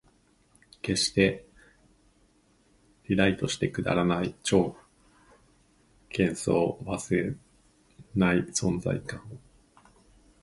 消して、リライトして、くだらない超幻想、忘れらない存在感を